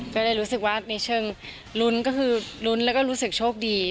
ก็เลยรู้สึกว่าในเชิงรุ้นก็คือลุ้นแล้วก็รู้สึกโชคดี